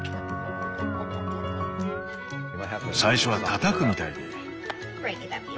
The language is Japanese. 最初はたたくみたいに。